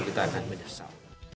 kita akan menyesal